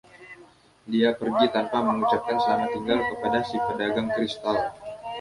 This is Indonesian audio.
Dia pergi tanpa mengucapkan selamat tinggal kepada si pedagang kristal.